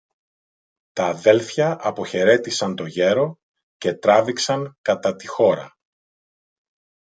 Τ' αδέλφια αποχαιρέτησαν το γέρο και τράβηξαν κατά τη χώρα.